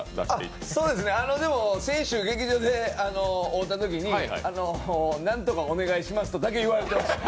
でも先週、劇場で会ったときになんとかお願いしますとだけ言われた。